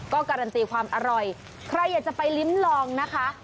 ก็การันตีความอร่อยใครอยากจะไปลิ้มลองนะคะ